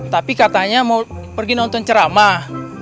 tapi katanya mau pergi nonton ceramah